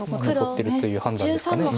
残ってるという判断ですか。